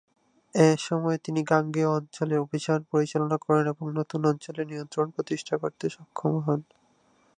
এসময় তিনি গাঙ্গেয় অঞ্চলে অভিযান পরিচালনা করেন এবং নতুন অঞ্চলে নিয়ন্ত্রণ প্রতিষ্ঠা করতে সক্ষম হন।